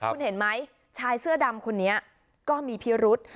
คุณเห็นไหมชายเสื้อดำคนนี้ก็มีพิรุษ